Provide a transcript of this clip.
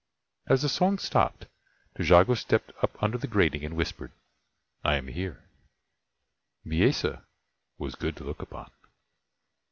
As the song stopped, Trejago stepped up under the grating and whispered: "I am here." Bisesa was good to look upon.